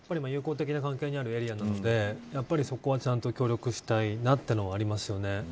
友好的な関係にあるエリアなのでそこはちゃんと協力したいなというのはありますよね。